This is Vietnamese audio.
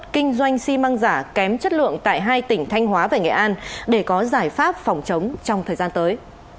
kinh doanh xi măng giả kém chất lượng tại hai tỉnh thanh hóa và nghệ an để có giải pháp phòng chống trong thời gian tới